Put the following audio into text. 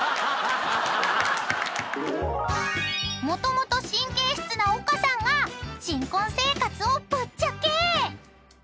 ［もともと神経質な岡さんが新婚生活をぶっちゃけ］